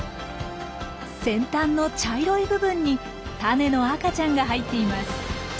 先端の茶色い部分にタネの赤ちゃんが入っています。